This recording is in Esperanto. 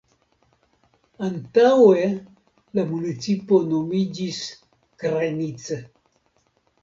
Antaŭe la municipo nomiĝis "Krajnice".